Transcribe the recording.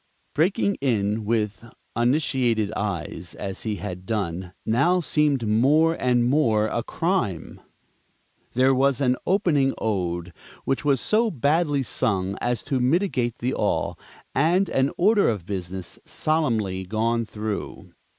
Breaking in with uninitiated eyes, as he had done, now seemed more and more a crime. There was an "Opening Ode," which was so badly sung as to mitigate the awe; and an "order of business" solemnly gone through.